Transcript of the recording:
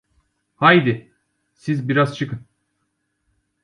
Haydi, siz biraz çıkın!